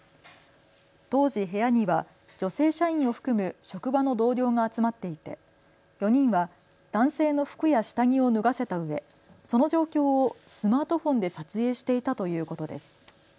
当時部屋には女性社員を含む職場の同僚が集まっていて４人は男性の服や下着を脱がせたうえ、その状況をスマートフォンで撮影していたということです。